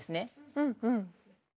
うんうん。